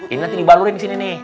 ini nanti dibalurin di sini nih